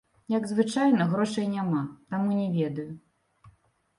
Як звычайна, грошай няма, таму не ведаю.